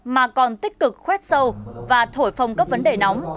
mà còn tích cực khoét sâu và thổi phòng các vấn đề nóng